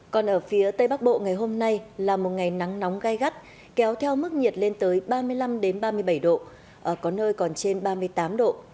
còn ở phía tây bắc bộ ngày hôm nay là một ngày nắng nóng gai gắt kéo theo mức nhiệt lên tới ba mươi năm ba mươi bảy độ có nơi còn trên ba mươi tám độ